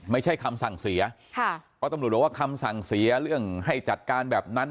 ไม่ใช่คำสั่งเสียค่ะเพราะตำรวจบอกว่าคำสั่งเสียเรื่องให้จัดการแบบนั้น